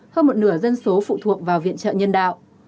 hơn một nửa dân số phụ thuộc vào viện trợ nhân đạo